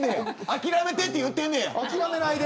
諦めてって言ってんねん。